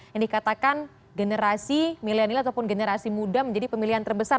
yang dikatakan generasi milenial ataupun generasi muda menjadi pemilihan terbesar